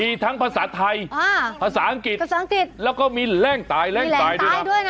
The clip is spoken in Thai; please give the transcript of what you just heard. มีทั้งภาษาไทยภาษาอังกฤษแล้วก็มีแรงตายแรงตายด้วยนะ